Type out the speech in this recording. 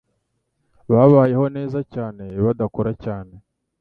Babayeho neza cyane badakora cyane.